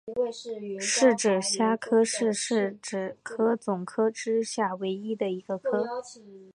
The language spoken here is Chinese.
匙指虾科是匙指虾总科之下唯一的一个科。